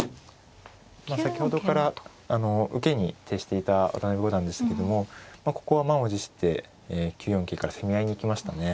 先ほどから受けに徹していた渡辺五段でしたけどもまあここは満を持して９四桂から攻め合いに行きましたね。